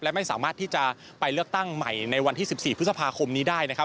และไม่สามารถที่จะไปเลือกตั้งใหม่ในวันที่๑๔พฤษภาคมนี้ได้นะครับ